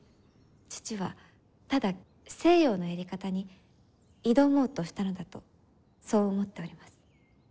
父はただ西洋のやり方に挑もうとしたのだとそう思っております。